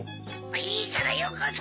いいからよこせ！